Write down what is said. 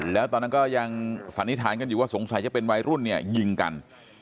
แล้วตอนนั้นก็ยังสันนิษฐานกันอยู่ว่าสงสัยจะเป็นวัยรุ่นเนี่ยยิงกัน